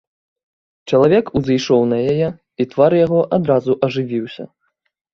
Чалавек узышоў на яе, і твар яго адразу ажывіўся.